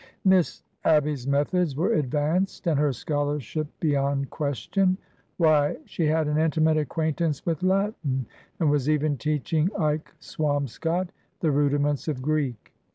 Miss Abby's methods were advanced, and her scholarship be yond question. Why, she had an intimate acquaintance with Latin, and was even teaching Ike Swamscott the rudiments of Greek.